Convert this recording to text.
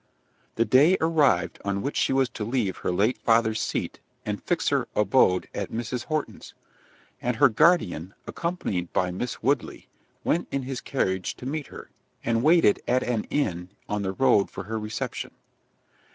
The day arrived on which she was to leave her late father's seat, and fix her abode at Mrs. Horton's; and her guardian, accompanied by Miss Woodley, went in his carriage to meet her, and waited at an inn on the road for her reception.